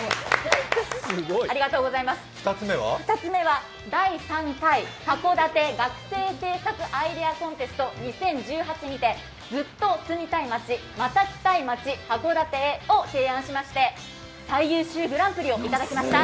２つ目は、第３回函館学生政策アイデアコンテストにてずっと住みたい町また来たい町・函館を提案しまして最優秀グランプリをいただきました。